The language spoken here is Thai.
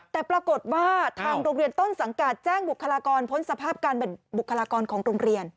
แต่ปรากฏว่าทางโรงเรียนต้นสังกัดแจ้งบุคลากรพ้นสภาพการเป็นบุคลากรของโรงเรียน